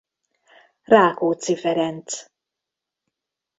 Rákóczy Ferencz.